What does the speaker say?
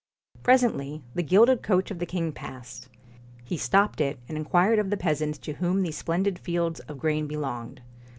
Presently the gilded coach of the king passed. He stopped it and inquired of the peasants to whom these splendid fields of grain belonged.